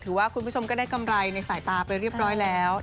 ว่าคุณผู้ชมก็ได้กำไรในสายตาไปเรียบร้อยแล้ว